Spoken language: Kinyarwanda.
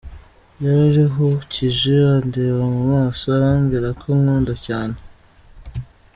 Yariruhukije, andeba mu maso, arambwira ko ankunda cyane.